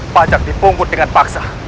bajak dipungkut dengan paksa